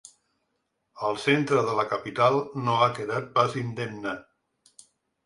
El centre de la capital no ha quedat pas indemne.